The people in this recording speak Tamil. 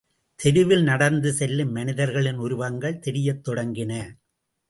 தெருவில் நடந்து செல்லும் மனிதர்களின் உருவங்கள் தெரியத் தொடங்கின.